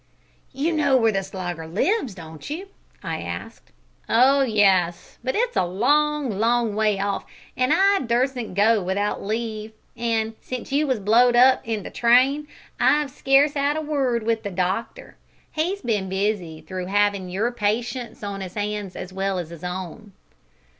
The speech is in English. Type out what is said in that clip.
"You know where the Slogger lives, don't you?" I asked. "Oh yes, but it's a long, long way off, an' I durstn't go without leave, an' since you was blowed up i' the train I've scarce 'ad a word with the doctor he's bin that busy through 'avin' your patients on 'is 'ands as well as is own."